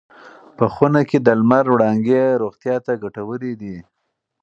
په خونه کې د لمر وړانګې روغتیا ته ګټورې دي.